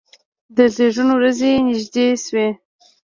د زیږون ورځې یې نږدې شوې.